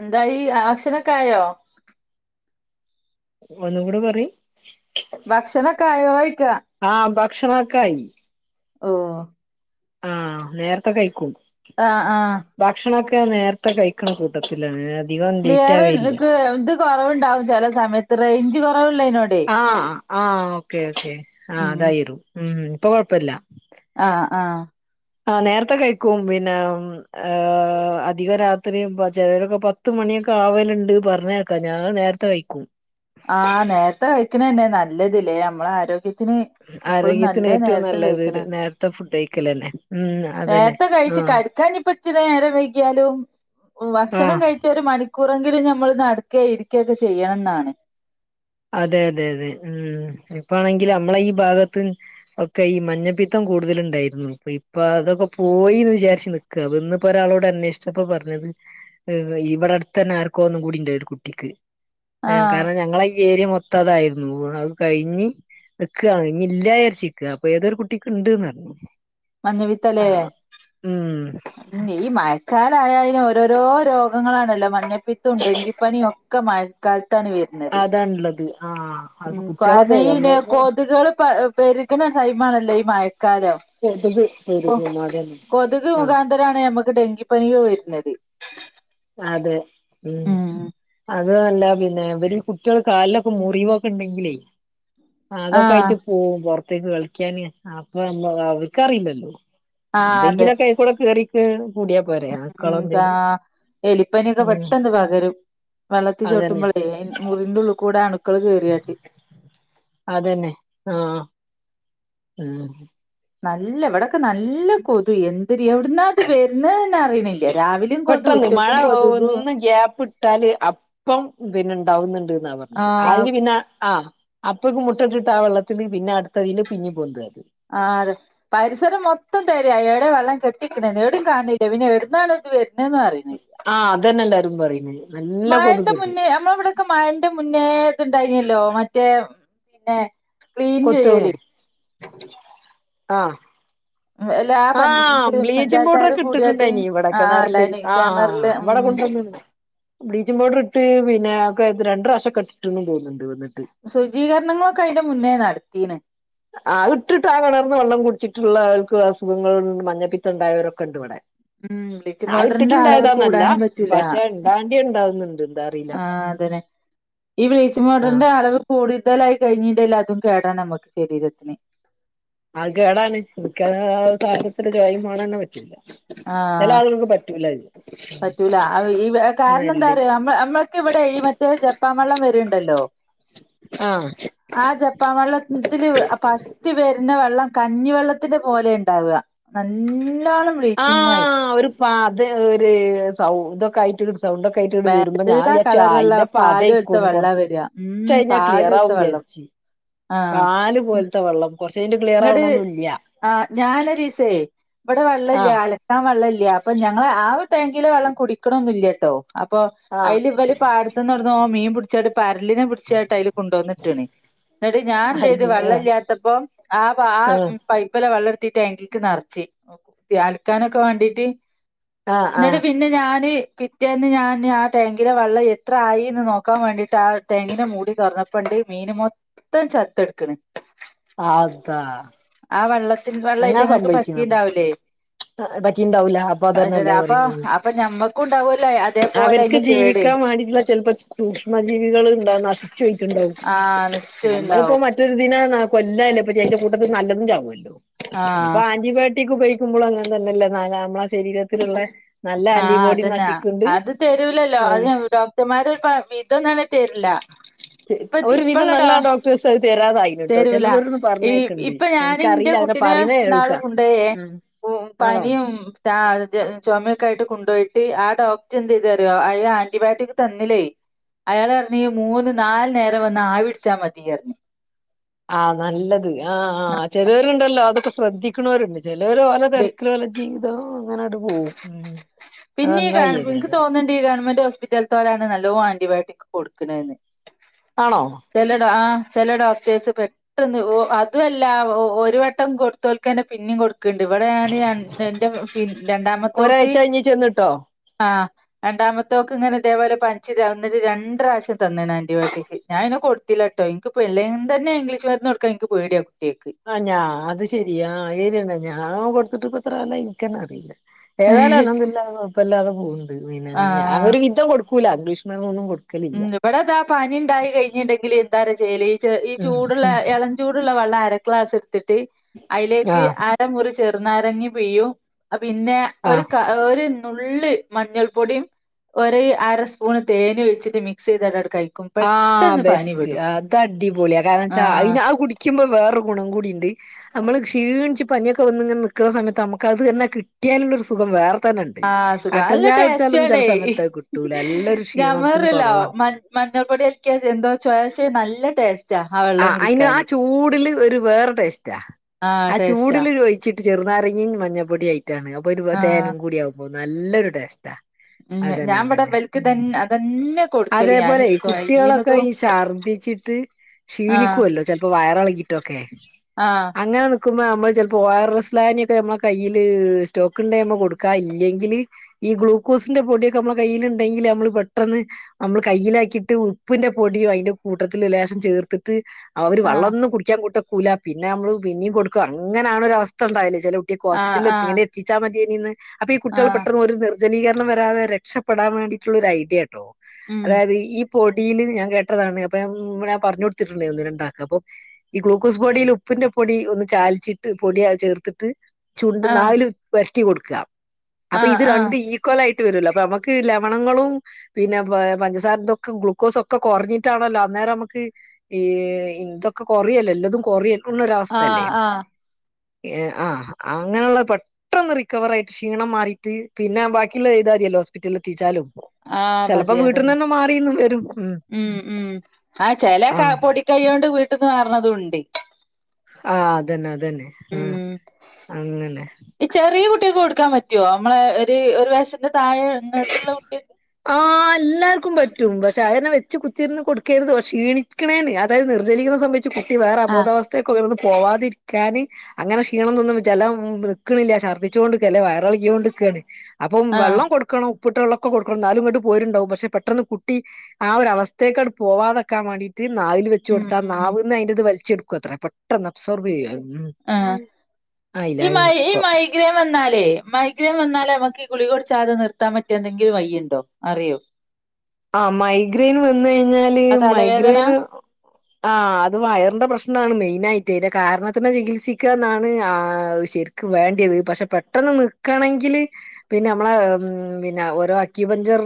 എന്തായി ആക്ഷരൊക്കായോ ഒന്നുകൂടെ പറയ് ഭക്ഷണൊക്കെ ആയോയ്ക്ക ആഹ് ഭക്ഷണൊക്കായി ഓ ആഹ് നേര്ത്തെ കഴിക്കും ആഹ് ആഹ് ഭക്ഷണൊക്കെ നേരത്തെ കഴിക്കണം ക ട്ടത്തിലാണ് അധികം ലേറ്റ് ക്ലിയർ ആവേയില്ല നിനിക്ക് എത് കുറവുണ്ടാവും ചില സമയത്ത് റേഞ്ച് കുറവില്ലെയ്നോണ്ട് ആഹ് ആഹ് ഓക്കേ ഓക്കെ ആ ഉം അതായിരും ഉം ഇപ്പൊകൊഴപ്പില്ല ആഹ് ആഹ് ആഹ് നേര്ത്തെകഴിക്കും പിന്നെ അധികം രാത്രി ചെലരൊക്കെ പത്ത്മണിയൊക്കെ ആവലുണ്ട് പറഞ്ഞേക്കാം ഞാൻ നേര് ത്തെകയ്ക്കും ആഹ് നേര്ത്തെ കഴിക്കണന്നെ നല്ലതലേ നമ്മളെ ആരോഗ്യ ത്തിന് എപ്പൊഴും ആരോഗ്യത്തിന് നല്ല ഏറ്റവും നല്ലത് നേരത്തെകഴിക്കണ നേരത്തെ ഫുഡ് കഴിക്കലന്നെ ഉം അതന്നെ നേരത്തെ കഴിച്ച് ആഹ് കെ കാഞ്ഞിപ്പച്ചിരി നേരവൈകിയാലും ഭക്ഷണം ആഹ് കഴ ച്ചൊരു ഒര്മണിക്കൂറെങ്കിലും നമ്മൾ നടക്കെ ഇരിക്കെകൊ ചെയ്യണംന്നാണ് അതെ അതെ അതെ ഉം ഇപ്പാണെങ്കിൽ നമ്മളെ ഈ ഭാഗത്ത് ഒക്കെ ഈ മഞ്ഞപ്പിത്തം കൂടുതലുണ്ടായിരുന്നു അപ്പ ഇപ്പൊ അതൊക്കെ പോയിന്ന് വിചാരിച്ചു ക്ക ബന്ന് ഇപ്പോ ഒരാളോട് അന്വേഷിച്ചപ്പോ പറഞ്ഞത് ഇവിടെ അടുത്തന്നെ ആർക്കോ ഒന്നും കൂടിണ്ട ഒരുകുട്ടിക്ക് ആഹ് കാരണം ഞങ്ങളെ ഈ ഈ ഏരിയ മൊത്താതായിരുന്നു അത് കഴിഞ്ഞ് നിക്കാണ് ഇനി ഇല്ലചാരിച്ച്ക്ക അപ്പൊ ഏതൊരു കുട്ടിക്ക് ഉണ്ട്ന്നർഞ്ഞു മഞ്ഞപിത്തലേ ഉ ഈ മയക്കാലായാലന് ഓരോരോ രോഗങ്ങളാണല്ലോ മഞ്ഞപ്പിത്തും ഡെങ്കിപ്പനിയും ഒക്കെ മഴക്കാലത്താണ് വര് അതാണ്ള്ളത് ആഹ് അത് ഉം കുട്ടികളൊക്കെ കാരണം ഈ നമ്മള് കൊതുകള് പ പെരുകണ സൈമാണല്ലോ ഈ മഴക്കാലം [unintelligible] അതന്നെ ആ ഇത്തരാണ് നമക്ക് ഡെങ്കിപനികൾ വരുന്നത് അതെ ഉം അതു അല്ല പിന്നെ ഇവരിൽ കുട്ട്യള് കാൽലൊക്കെ മുറിവൊക്കെണ്ടെങ്കിലേ അതൊക്കെ ആഹ് ആയിട്ട് പോവും പൊറത്തേക്ക് കളിക്കാന് അപ്പോ മ്മ അവൾക്കറിയില്ലല്ലോ ആഹ് അതെ എന്തെങ്കിലോക്കെയിക്കൂടെ കേറി കൂടിയാ പോരെ ആക്കളോ ഉം കാ എന്തേലും എലിപ്പനിയൊക്കെ ഉം പെട്ടന്ന് പകരും അതന്നെ വെള്ളത്തിച്ചവിട്ടുമ്പോളേ മുറിൻറ്റുള്ളി കൂടെ അണുക്കള് കേറിയാട്ടി അതന്നെ ആഹ് ആഹ് നല്ല എവടക്കെ നല്ല കൊതു എന്തരി എവിടുന്നാത് വര്ണെന്നേ അറിയണില്ല രാവിലെ പെട്ടന്ന് മഴ ഒന്ന് ഗ്യപ്പ് ഇ ട്ടാല് അപ്പം പിന്നെ ഇണ്ടാവുന്ന്ണ്ട് എന്ന പറഞ്ഞ് ആഹ് [unintelligible] പിന്നെ ആഹ് അപ്പോക്കേ മുട്ടട്ടിട്ട് ആ വെള്ളത്തിന് പിന്നെ അടുത്തതില് പിഞ്ഞ് [unintelligible] ആറ് പരിസരം മൊത്തം തെരയാ എടെ വള്ളം കെട്ടിക്കണേന്ന് എവിടും കാൺണില്ല പിന്നെ എടുന്നാണ് ഇത് വ ആഹ് അതന്നെ എല്ലാരും പറയുന്നേ നല്ല കൊതുക്ണ്ട് നമ്മടെ ഇവടക്കെ മഴന്റെ മുന്നേ ഇത്ണ്ടായിന്നല്ലോ മറ്റേ പിന്നെ ക്ലീൻ ചെയ്യല് [unintelligible] ആഹ് [unintelligible] ആഹ് ബ്ലീച്ചിങ് പഞ്ചായത്താര് പൗഡറേക്കെ കൂടിയായിട്ട് ഇട്ടിട്ടുണ്ടായിനി ഇവടെ ആ കെണറില് ഉണ്ടായിന് ആഹ് കിണറില് ഉം അവടെ കൊണ്ടുവന്നാണ് ബ്ലീച്ചിങ്ങ് പൗഡറിട്ട് പിന്നെ ക്കേത് രണ്ടു പ്രശം കെട്ടിട്ട്ന്നും പോന്ന്ണ്ട് വന്നിട്ട് ശുചീകരണങ്ങളൊക്കെ അയിന്റെ മുന്നേ നടത്തിന് ആഹ് ഇട്ടിട്ട് ആ കെണറ്ന്ന് വള്ളം കുടിച്ചിട്ടുള്ള ആൾക്ക് അ സുഖങ്ങൾണ്ട് മഞ്ഞപ്പിത്തണ്ടായവരൊക്കെ ഒണ്ടിവടെ ഉം ബ്ലീച്ചിങ് ആയിട്ടിട്ട് പൗഡറിന്റെ അളവ് ഇണ്ടായതാന്നല്ല കൂടാനും പറ്റൂല പഷേ ഇണ്ടാണ്ടിയെ ഇണ്ടാവുന്ന്ണ്ട്ന്ന് അതറിലാ ആ അതന്നെ ഈ ബ്ലീച്ചിങ് പൗഡറിന്റെ അളവ് കൂടിതലായി കഴിഞ്ഞിട്ട് എല്ലാതും കേടാ നമ്മക്ക് ശരീരത്തിന് അത് കേടാണ് [unintelligible] പറ്റുല ആ ചെല ആളുകൾക്ക് പറ്റൂല്ല ഇത് പറ്റൂല ഈ കാരണം എന്താ അറ്യോ നമ്മ നമ്മളക്ക ഇവടെ ഈ മറ്റേ ജപ്പാ വള്ളം വര്ണ്ടല്ലോ ആഹ് ആ ജപ്പാ വള്ളത്തില് അപ്പ കുത്തി വര്ണ വെള്ളം കഞ്ഞിവെള്ളത്തിന്റെ പോലെ ഇണ്ടാവുക നല്ലോനം ആഹ് ഒരു പതേ ഒര് സൗ ഇതൊക്കെ ആയിട്ടൊരു സൗണ്ട് ഒക്കായിട്ട് ഇടെ വരുമ്പോ ഞാൻ വെള്ള വിയരിച്ച് കളറുള്ള അയിന്റെ പാല് പോലത്തെ പതേക്കൂന്ന് വെള്ളാ വരിക ഉം കൊറച്ചഞെ പാല് ക്ലിയറാകും പോലത്തെ വെള്ളം വിയാരിച്ചി ആഹ് പാല് പോലത്തെ വെള്ളം കൊറച്ചഴിഞ്ഞിട്ട് ക്ലിയർ ആവണൊന്നുല്ല്യ ആഹ് ഞാനോരിസേ ഇവടെ വള്ളല്ല്യ ആഹ് അല ക്കാ വള്ളം ഇല്ല്യ അപ്പോ ഞങ്ങള് ആഹ് ഒരു ടാങ്കിലെ വെള്ളം കുടിക്കണൊന്നില്ലട്ടോ അപ്പോ ആഹ് അയില് ഇവല് പാടത്തുന്നേവടന്നോ മീൻ പിടിച്ചട്ടട് പരലിനെ പി ടിച്ചട്ടയില് അയില് കൊണ്ട് വന്ന്ട്ട്ണി എന്നിട്ട് ഞാൻ അത് എന്തെത് ശരി വെള്ളം ആഹ് ഇല്ലാത്തപ്പോ ആപാ ആഹ് പൈപ്പെല്ലാ വെള്ളടുത്തിട്ടേ ടാങ്കിക്ക് നെറച്ചേ കു അലക്കാനൊക്കെ വേണ്ടിട്ട് ആഹ് ന്നിട് ആഹ് പി ന്നെ ഞാന് പിറ്റേന്ന് ഞാന് ആ ടാങ്കിലെ വെള്ളം എത്രയി എന്ന് നോക്കാൻ വേണ്ടിട്ട് ആഹ് ടാങ്കിന്റെ മൂടി തൊറന്നപ്പണ്ട് മീന് മൊത്തം ചത്തെടെക്കണ് അതാ ആ വെള്ളത്തി വെള്ളവായിട്ട് അങ്ങനെ ഇങ്ങക്ക് സംഭവിച്ചിണത് പറ്റിണ്ടാവില്ലേ പറ്റിണ്ടാവൂല അപ്പൊ അതന്നെല്ലേ [unintelligible] അപ്പോ അപ്പോ ഞമ്മക്കുണ്ടാവല്ലോ അതെ അവര്ക്ക് ജീവിക്കാൻ വേണ്ടിട്ടിള്ള ചെലപ്പോ സൂക്ഷ്മ ജീവികള് ഇണ്ടാ [unintelligible] [unintelligible] ണ്ടാവും ആ നിശ്ചയം നമ്മളിപ്പോ ഉണ്ടാവും മ മറ്റൊരു ദിനേ കൊല്ലല്ലപ്പോ [unintelligible] കൂട്ടത്തി നല്ലതും ചാവുല്ലോ ആഹ് ഇപ്പോ ആന്റിബയോട്ടിക് ഉപയോഗിക്കുമ്പോളും അങ്ങനെ തന്നെല്ലേ ന നമ്മളെ ശരീരത്തില്ള്ളേ ആഹ് അതന്നെ അത് തരൂലല്ലോ അത് ഡോ റ്റമാര് ഇതൊന്നും [unintelligible] തരില്ല ട്ട് ഇപ്പ ഒരു വിധം ഇപ്പള്ള ഡോ നല്ല ഡോക്ടേഴ്സ് അത് തരാതായിന്ട്ടോ ചിലതൊരന്ന് പർഞ്ഞേക്ക്‌ണ്ട് പ്പ ഞാന്ന്റെ കുട്ടിനെ ന്നാള് കൊണ്ടേയേ ഉം ആണോ പന്യും താ ചൊമയൊ ക്കായിട്ട് കുണ്ടോയിട്ട് ആ ഡോക്റ്റെന്തെയ്ത്റിയോ ആന്റിബയോട്ടിക് തന്ന്ലേയ് അയാളർഞ് മൂന്ന് നാല് നേരം വന്നാവിടിച്ചാ മതിഅർഞ് ആഹ് നല്ലത് ആ ആഹ്‌ ചെലോര്ണ്ടല്ലോ അതൊക്കെ ശ്രദ്ധിക്ക്‌ണോര്ണ്ട് ചെലോരോലെ ണ്ട് തെര്ക്ക് ഓലെ ജീവിതം അങ്ങനണ്ട് പോവും അത് പിന്നെ ഈ ഗ നന്നായി നിക്ക് ഏതായാലും തോന്നുണ്ട് ഈ ഗവൺമെന്റ് ഹോസ്പിറ്റൽത്തോരാണ് നല്ലോ ആന്റിബയോട്ടിക് കൊടുക്കണന്ന് ആണോ ചെലെ ട ആഹ് ചെലേ ഡോക്ടേഴ്സ് പെ അതുഅല്ല ഒരു വട്ടം കൊടുത്തോൽക്കന്നെ പിന്നിം കൊട് ക്ക്‌ണ്ട്. വടെ ഞാന് എന്റെ പി രണ്ടാമത്തോക്ക് ഒരാഴ്ച കഴിഞ്ഞ് ചെന്നിട്ടോ ആഹ്‌ രണ്ടാമത്തോക്ക് ഇങ്ങനെ ഇതേപോലെ പനിച്ച്‌രന്നിട് രണ്ട് റാവശ്യം തന്ന്ണ് ആന്റിബയോട്ടിക്ക്. ഞാ അയിനയ് കൊടു ട്ടില്ലട്ടോ, ഇൻക്ക്പ്പ അല്ലേൻ തന്നെ ഇംഗ്ലീഷ് മരുന്ന് കൊടുക്കാ ഇൻക്ക് പേടിയാ കുട്ടിയൾക്ക് ആഹ് ഞാ അത് ശെരി. ആ അ ആരിന്നാ ഞാ കൊടുത്തിട്ട്പ്പത്ര കാലായി ഇൻക്കന്നെ അറീല്ല ഏതാലും അൽഹംദുലില്ലാഹ് അനെ കൊഴപ്പല്ലാതെ പോക്ണ്ട്. പിന്നെ ഞാന് ആഹ് ഒരു വിധം കൊടുക്കൂല്ല ഇംഗ്ലീഷ് മരുന്നൊന്നും കൊടു ഉം, ഇവിടെ അതാ പനി ഉണ്ടായി കഴിഞ്ഞിട്ടുണ്ടെങ്കില് എന്താ അറിയാ ചെയ്യല്, ഈ ചെ ഈ ഉം ചൂടുള്ള ഉം എളം ചൂടുള്ള വെള്ളം അരക്‌ളാസ്ട്ത്ത്ട്ട് അതിലേക്ക് ആഹ് അ ര മുറി ചെറുനാരങ്ങി പീയും. പിന്നെ ഒരു ആഹ് ക ഒരു നുള്ള് മഞ്ഞൾ പൊട്യും ഒര് അര സ്പൂണ് തേനു ഒഴിച്ചിട്ട് മിക്സെയ്‌താടടുക്കയ് ആഹ് ബെസ്റ്റ് അതടിപൊളിയാ കാരണംച്ചാ ആഹ് അയ്ന അഹ്‌ കുടി ക്യുമ്പോ വേറെര് ഗുണം കൂടിണ്ട് അമ്മള് ക്ഷീണിച്ച് പനിയൊക്കെ വന്ന്ങ്ങനെ ന്ക്ക്ണ സമയത്ത് അമ്മക്ക് അത് തന്നെ കിട്ടിയാല്ള്ളൊരു സുഖം വേറെ തന്നെണ്ട് ആഹ്‌ സുഖ കട്ടൻ അല്ല ചായ കുടിച്ചാലൊന്നും ചെല ടേസ്റ്റണേ. സമയത്ത് അത് കിട്ടൂല എല്ലൊരു ക്ഷീണത്തിന് ഞമ്മറ്യല്ല. കൊറവാ മ മഞ്ഞൾ പൊടിയൽക്കിയ എന്തോ ചൊയ ശേ നല്ല ടേസ് ആഹ്‌ അയിന് ആ ചൂട്ല് ഒരു വേറെ ടേസ്റ്റാ ആഹ് ആ ടേസ്റ്റാ ചൂട്ല് ഒഴി ച്ചിട്ട് ചെറുന്നാരങ്ങിം മഞ്ഞൾപ്പൊടി ആയിറ്റാണ് അപ്പൊ അയിൽ ആഹ് തേനും കൂടി ആകുമ്പോ നല്ലൊരു ടേസ്റ്റാ ഉം അതെന്നെ ഞാൻ ഇവിടെ അതെന്നെ ഇവൽക്ക് ഉം തന്നെ അതന്നെ കൊടുക്കല് ഞാന് അതേപോലെയ് കുട്ട്യാളൊക്കെ കൊഴീണതും ഈ ശർദിച്ചി ആഹ് ക്ഷീണികോലോ ചെലപ്പോ വയറളകീട്ടൊക്കെ ആഹ് അങ്ങനെ നിക്കുമ്പോ നമ്മൾ ചെൽപ്പോ ഒ ആർ എസ് ലായനിക്കെ നമ്മളെ കയ്യില് സ്റ്റോക്ക് ഉണ്ട നമ്മ കൊടുക്കാ ഇല്ലെങ്കില് ഈ ഗ്ലൂക്കോസിന്റെ പൊടിയൊക്കെ നമ്മളെ കയ്യിൽണ്ടെങ്കിൽ നമ്മള് പെട്ടെന്ന് നമ്മള് കയ്യിലാക്കിയിട്ട് ഉപ്പിന്റെ പൊടിയും അയിന്റെ കൂട്ടത്തില് ലേശം ചേർ ട്ട്ത്ത് അവര് ആഹ് വള്ളൊന്ന് കുടിക്ക്യാം കൂട്ട കൂല പിന്നെ ഞമ്മള് പിന്നിയും കൊടുക്കും അങ്ങനാവ്ണ ഒരു അവസ്ഥ ഇണ്ടാവില്ലെ ചെല കുട്ടിയാക്ക് ആഹ് ഹോസ്പിറ്റലിൽ എത്തി ആഹ് ചിച്ചാ മതി അതിൽ നിന്ന് അപ്പൊ ഈ കുട്ടികൾ ആഹ് പെട്ടെന്ന് ഒരു ജനീകരണം വരാതെ രക്ഷപ്പെടാൻ വേണ്ടിയിട്ടുള്ള ഒരു ഐഡിയ ട്ടോ ഉം അതായത് ഈ പോടിയിൽ ഞാൻ കേട്ടതാണ്, അപ്പൊ ഞാൻ പറഞ്ഞ കൊടുത്തിട്ടുണ്ട് ഒന്ന് രണ്ടാൾക്ക് അപ്പൊ ഈ ഗ്ലൂക്കോസ് പൊടീല് ഉപ്പിന്റെ പൊടി ഒന്ന് ചാൽച്ചിട്ട് പൊടിഅത് ചേർത്ത്ട്ട്. ചുണ്ട് ആഹ് നാവില് പെരട്ടി കൊടുക്ക അപ്പൊ ആഹ് ഇത് രണ്ട് ആഹ് ഈ ക്കലായിട്ട് വരുല്ലോ, അപ്പൊ നമുക്ക് ലവണങ്ങളും. പിന്നെ പഞ്ചസാരൊക്കെ ഗ്ലൂക്കോസ് ഒക്കെ കുറഞ്ഞിട്ടാണല്ലോ അന്നേരം നമുക്ക് ഈ ഇതൊക്കെ കൊറയല്ലേ എല്ലതും കൊറയുന്ന ഒരവസ്ഥയല്ലേ. ആഹ് ആഹ് ആഹ് അങ്ങനെയുള്ള പെട്ടെന്ന് റിക്കവർ ആയിട്ട് ക്ഷീണം മാറിയിട്ട് പിന്നെ ബാക്കിയുള്ള ചെയ്താ മതിയല്ലോ ഹോസ്പിറ്റലിൽ എത്തിച്ചാലും. ആഹ് ചെലപ്പോ മതി വീട്ടിൽന്ന് അതന്നെ തന്നെ മാറിന്നും വരും ഉം ഉം ഉം ആ ചെല പൊടികൈക്കൊണ്ട് വീട്ടിൽന്ന് മാറന്നതും ഉണ്ട് ആഹ അതന്നെ അതന്നെ ആഹ ഉം അങ്ങനെ ഈ ചെറിയ കുട്ടികൾക്ക് കൊടുക്കാൻ പറ്റുവോ, നമ്മളെ ഒരു ഒരു വയസിന്റെ താഴെട്ടോട്ടുള്ള കുട്ടിക ആഹ് എല്ലാർക്കും പറ്റും പക്ഷെ അതന്നെ വെച്ച് ത്തിന്ന് കൊടുക്കരുത് ക്ഷണിക്കണേന് അതായത് നിർജ്ലികരണം സംബധിച്ച് കുട്ടി വേറെ അബോധാവസ്ഥ ത്തെ ഉയർന്ന് പോവാതിരിക്കാന് അങ്ങനെ ക്ഷീണം തൊന്നും ജലം നിക്കണില്ല ഛർദിച്ചുകൊണ്ട് നിൽക്കുവയല്ലേ വയറിളുകിയോണ്ടിരിക്കുണ്. അപ്പം ആഹ് വെള്ളം കൊടുക്കണം ഉപ്പിട്ട വെള്ളക്കെ കൊടുക്കണം ന്നാലുങ്ങട്ട് പോര്ണ്ടാവും പക്ഷ പെട്ടെന്ന് കുട്ടി ആഹ ഒരു അവസ്ഥേക്കാട് പോവാതെക്കാൻ വേണ്ടിയിട്ട് നാവിൽ വെ ഉം ചൊട്ത്താ ഉം നാവിന്ന് അതിന്റെത് വലിച്ചെടുക്കത്ര പെട്ടന്ന് ഒപ്സർവ് ചെയ്യു ആഹ് ആഹ ഇല്ല ഈ മൈ ഈ ഉപ്പ മൈഗ്രേൻ വന്നാലേ, മൈഗ്രേൻ വന്നാലേ മൈഗ്രെയ്ൻ വന്നാലേ നമുക്ക് ഈ ഗുളിക കുടിച്ചാതെ നിർത്താൻ പറ്റിയ എന്തെങ്കിലും വഴിയുണ്ടോ. അറിയോ ആഹ് മൈഗ്രെൻ വന്നഴിഞ്ഞാല് ആ തലവേദന മൈഗ്രെന് ആ അത് വയർന്റെ പ്രശ്നാണ് മെയിന ആയിട്ട് അതിൻ്റെ കാര്ണത്തിനം തന്നെ ചികിത്സികാന്നാണ് ആ ശര് വേണ്ടിയത് പക്ഷെ പെട്ടെന്ന് നിക്കണങ്കില് പിന്നെ നമ്മള് പിന്നെ ഓരോ അക്യുബഞ്ചർ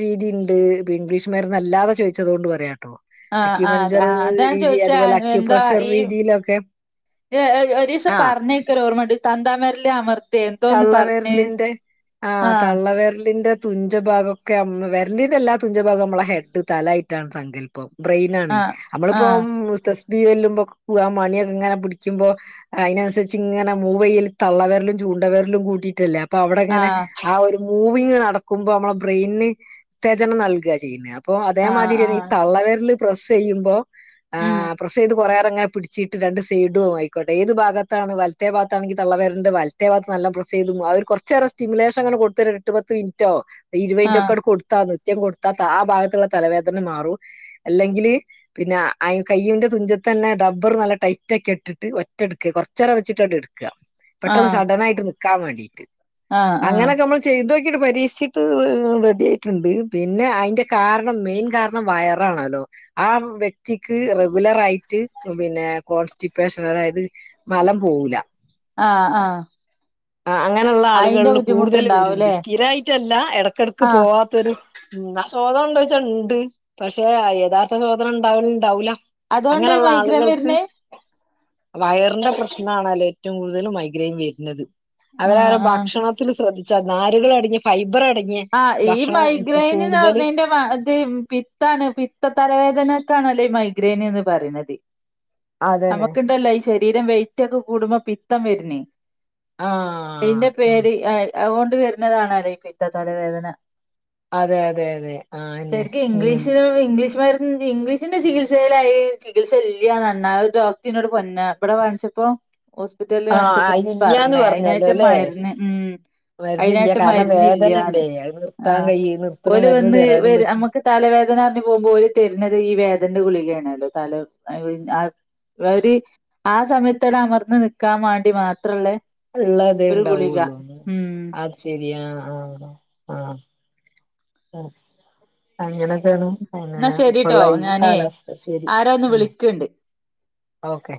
രീതി ഉം. ഇ ഇംഗ്ലീഷ്മര്ന്ന് അല്ലാതെ ചോയിച്ചതോണ്ട് പറയാട്ടോ ആഹ് അക്യു ആഹ് പഞ്ചർ ആഹ് അതാ രീതി ചോദിച്ചാ അതുപോലെ അക്യുപ്രഷർ രീതിയിലൊക്കെ ഒരു ദിവസം ആഹ് പറഞ്ഞേ നിക്ക് ഓർമ്മണ്ട് തള്ളവിരല് അമർ തള്ളവരലിന്റെ ആഹ ആഹ് തള്ളവരലിന്റെ തുഞ്ചഭാഗംക്കെ വെരലിന്റെ എല്ലാ തുഞ്ചഭാഗം നമ്മള് ഹെഡ് തലായിട്ടാണ് സങ്കല്പം. ബ്രെയിനാണ് ആഹ് ആഹ് നമ്മളിപ്പം തസ്‌ പി വെല്ലുമ്പൊ മണിയൊക്കെ ഇങ്ങനെ പിടിക്കുമ്പോ അതിനനുസരിച്ച് ഇങ്ങനെ മൂവ് ചെയ്യുമ്പോ തള്ളവിരലും ചൂണ്ടവര്ലും കൂട്ടീട്ടല്ലേ അപ്പൊ അവിടെങ്ങനെ ആഹ് ആ ഒരു മൂവിങ് നടക്കുമ്പോ നമ്മുടെ ബ്രെയിനിന് ഉത്തേജനം നൽകുകയാണ് ചെയ്യുന്നത്. അപ്പൊ ആഹ് അതേമാതിരിയന്നെ ഈ ആഹ് തള്ളവരൽ പ്രസ്യ്യുമ്പോ ഉം പ്ര ക്ഷെ ഇത്കൊറേരങ്ങന പിടിച്ചിട്ട് രണ്ട് സൈഡും ആയിക്കോട്ടെ. ഏത് ഭാഗത്താണ് വലത്തെ ഭാഗത്താണെങ്കിൽ തള്ളവരലിന്റെ മറ്റേ ഭാഗത്ത് നല്ല പ്രസ് ചെയ്തു അതൊരു കുറച്ച് നേരം സ്റ്റിമുലേഷൻ അങ്ങനെ കൊടുത്താല് എട്ടോ പത്തോ മിനിറ്റോ, ഇരുപതിൻ്റെ ആഹ് ഒക്കെ ത്താ നിത്യം കൊട്ത്താ ത ആ ഭാഗത്ത്ള്ള തലവേദന മാറും അല്ലെങ്കില് പിന്നെ ആ കയ്യിന്റെ തുഞ്ചത്തന്നെ ടബ്ബർ നല്ല ടൈറ്റാക്കി ഇട്ടിട്ട് ഒറ്റഡ്ക്ക്, കൊർചെരം വെച്ചിട്ട് അങ്ങട്ട് ടുക്കുക. പെട്ടന്ന് ആഹ് സഡൻ ആയിട്ട് നിക്കാൻ വേണ്ടീട്ട്, ആഹ് ആഹ് അങ്ങനൊക്കെമ്മൾ ചെയ്തോക്കിട്ട്, പരീക്ഷിച്ചിട്ട് റെഡി ആയിട്ടുണ്ട്. പിന്നെ അയ്ന്റെ കാരണം, മെയിൻ കാര ണം വയറാണലോ ആ വ്യക്തിക്ക് റെഗുലർ ആയിട്ട് പിന്നെ കോൺസ്റ്റിപേഷൻ അതായത് മലം പോവൂല ആഹ്‌ ആഹ്‌ ആഹ്‌ അങ്ങനെള്ള ആളുകൾല് കൂടുതൽ വരുണ്ട്. ബുദ്ധിമുട്ടുണ്ടാവുംല്ലേ സ്ഥിരായിട്ടല്ല, എടക്കെടക്ക് ആഹ് പോവാ ത്തരു ആ ശോദന ഉണ്ടോന്ന് ചോദിച്ചാ ണ്ട്. പക്ഷെ യഥാർത്ഥ ശോദന ഉണ്ടാവല്ണ്ടാവൂല അതുകൊണ്ടാ ഈ അങ്ങനെള്ള മൈഗ്രൻ ആളുകൾക്ക് വരുന്നേ വയറിന്റെ പ്രശ്നാണെല്ലോ ഏറ്റവും കൂടുതൽ മൈഗ്രെയിൻ വരുന്നത് ആഹ് അവരവരുടെ ആഹ് ഭക്ഷണത്തിൽ ശ്രദ്ധിച്ചാൽ, നാരുകൾ അടങ്ങിയ ഫൈബർ അടങ്ങിയ ആഹ്‌ ഈ ഭക്ഷണം മൈഗ്രൈയിൻ കൂടുതൽ എന്നർഞ്ഞയ്ഞ്ഞാ അത് പിത്താണ്, പിത്ത തലവേദനക്കാണോലോഈ മൈഗ്രെന് ന്ന് പറിണത്. [inaudible] നമുക്കുണ്ടല്ലോ ഈ ശരീരം വൈറ്റൊക്കെ കൂടുമ്പോ പിത്തം വെര്ന് ആ അയ്ന്റെ ഉം പേര് അതൊണ്ട് വെര്ന്നതാണോലൊ ഈ പിത്ത തലവേദന അതെ അതെ അതെ ആ അന്നെ ശരിക്കും ഉം ഇംഗ്ലീഷ്, ഇംഗ്ലീഷ്മരുന്നിൻ്റെ ഇംഗ്ലീഷ് അതിന്റെ ചികിത്സയിലായി ചികിത്സ ഇല്ലന്ന്നായി ഒരു ഡോക്ടറിനോട് പറഞ്ഞ ഇവിടെ വാങ്ങിച്ചപ്പോ ഹോസ്പിറ്റല് ആ കാണിച്ചപ്പോ ഇല്ലാന്ന് പറഞ്ഞ് പറഞ്ഞല്ലോ അതിനായിട്ട് അല്ലേ മരുന്ന്. ഉം മരുന്നില്ല അതിനായിട്ട് കാരണം മരുന്ന്. ഇല്ലാന്ന്. വേദനല്ലേ അത് നിർത്താൻ ആഹ്‌ കഴിയ നിർത്തുന്ന ഓല് മരുന്ന് വന്ന് തരാനും പറ്റും നമുക്ക് തലവേദന എന്ന് പറഞ്ഞ് പോകുമ്പോ ഓല് തെരുന്നത് ഈ വേദനേൻ്റ ഗുളികയാണല്ലോ തല [unintelligible] അവര് ആ സമയത്തവിടെ അമർന്ന് നിക്കാൻ വേണ്ടി മാത്രല്ലേ ഉള്ളതെ ഉണ്ടാവുള്ളൂ. അത് ശരിയാ ആഹ് ആഹ് ആഹ് അങ്ങനൊക്കെയാണ്. പിന്നെ എന്നാ ശരിട്ടോ ഇപ്പുള്ള ഈ ഞാനേ കാലാവസ്ഥ ശരി ആരോ ഒന്ന് ഉം വിളിക്കണ്ട് ഓക്കെ